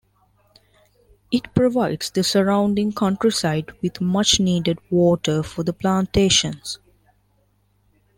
It provides the surrounding countryside with much needed water for the plantations.